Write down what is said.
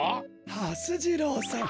はす次郎さん